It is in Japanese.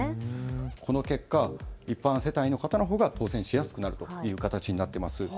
その結果、一般世帯の方が当せんしやすくなるという形になっています。